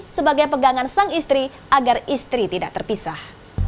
sebagai pegangan sang istri agar istri tidak terpisah